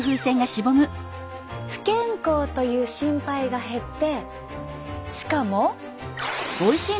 不健康という心配が減ってしかも。